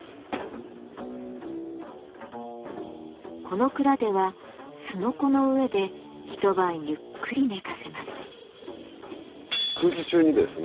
この蔵では「すのこ」の上で一晩ゆっくり寝かせます。